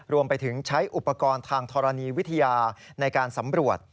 รวมไปถึงใช้อุปกรณ์ทางธรณีวิทยาในการสำรวจ